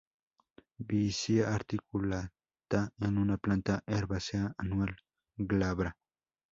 Vicia articulata es una planta herbácea anual, glabra.